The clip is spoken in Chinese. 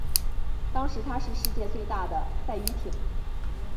当时她是世界最大的赛渔艇。